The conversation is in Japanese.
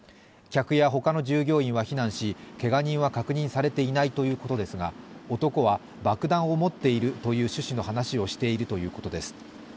客やほかの従業員は避難し、けが人は確認されていないということですが、男は爆弾を持っているという趣旨の話をしているということです。